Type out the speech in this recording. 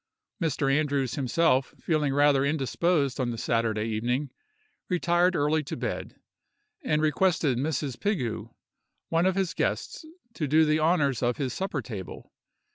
Mr. Andrews himself feeling rather indisposed on the Saturday evening, retired early to bed, and requested Mrs. Pigou, one of his guests, to do the honors of his supper table.